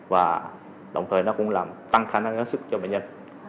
và đồng thời nó cũng làm tăng khả năng ứng sức cho bệnh nhân